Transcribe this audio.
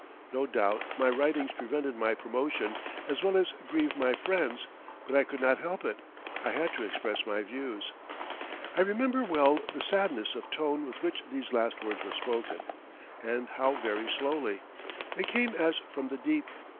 No doubt my writings prevented my promotion, as well as grieved my friends, but I could not help it. I had to express my views." I remember well the sadness of tone with which these last words were spoken, and how very slowly. They came as from the deep.